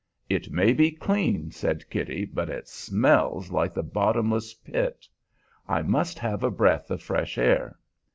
"It may be clean," said Kitty, "but it smells like the bottomless pit. I must have a breath of fresh air."